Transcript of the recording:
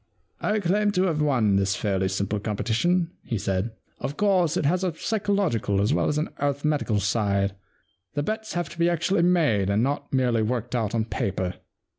* I claim to have won this fairly simple competition,' he said. * Of course, it has a psychological as v/ell as an arithmetical side ; the bets have to be actually made and not merely worked out on paper.